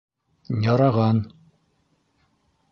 - Яраған.